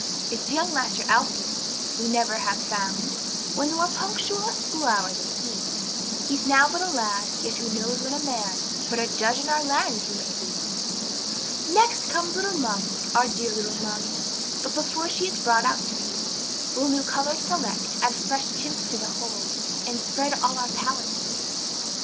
It's young master Alpheus we never have found One more punctual at school hour than he; He's now but a lad, yet who knows when a man, But a Judge in our land he may be. Next comes little Moggy, our dear little Moggy, But before she is brought out to view, We'll new colors select, add fresh tints to the whole, And spread all on our pallet anew.